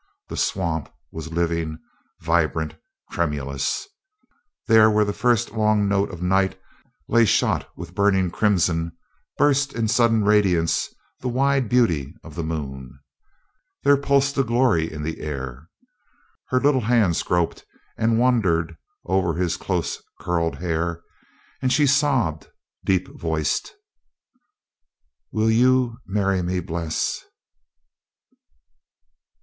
The swamp was living, vibrant, tremulous. There where the first long note of night lay shot with burning crimson, burst in sudden radiance the wide beauty of the moon. There pulsed a glory in the air. Her little hands groped and wandered over his close curled hair, and she sobbed, deep voiced: "Will you marry me, Bles?"